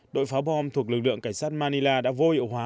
đội phá bom thuộc lực lượng cảnh sát manila đã vô hiệu hóa